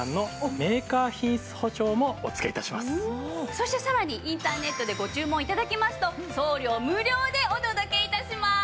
そしてさらにインターネットでご注文頂きますと送料無料でお届け致します。